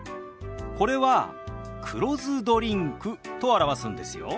これは「黒酢ドリンク」と表すんですよ。